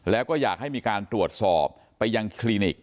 แล้วก็อยากให้มีการตรวจสอบไปยังคลินิก